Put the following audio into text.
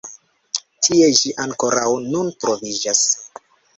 Tie ĝi ankoraŭ nun troviĝas.